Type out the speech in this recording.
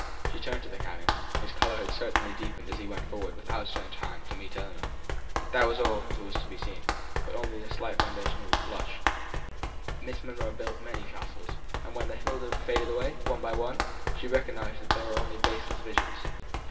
She turned to the canon; his colour had certainly deepened as he went forwards with out stretched hand to meet Ellinor. That was all that was to be seen; but on the slight foundation of that blush, Miss Monro built many castles; and when they faded away, one after one, she recognised that they were only baseless visions.